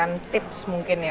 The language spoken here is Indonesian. mungkin tips mungkin ya